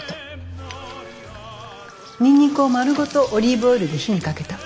ニンニクを丸ごとオリーブオイルで火にかけた。